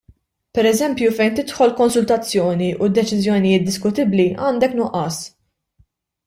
Pereżempju fejn tidħol konsultazzjoni u deċiżjonijiet diskutibbli għandek nuqqas.